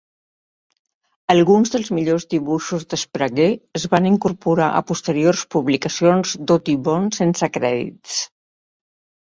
Alguns dels millors dibuixos de Sprague es van incorporar a posteriors publicacions d'Audubon, sense crèdits.